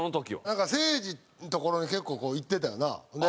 なんかせいじの所に結構行ってたよな？